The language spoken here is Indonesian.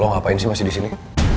lo ngapain sih masih disini